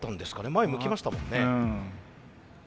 前向きましたもんね。